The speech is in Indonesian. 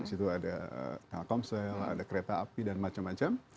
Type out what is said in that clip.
disitu ada komsel ada kereta api dan macam macam